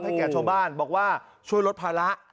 แก่ชาวบ้านบอกว่าช่วยลดภาระ